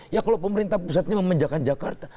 ya kalau pemerintah pusatnya memanjakan jakarta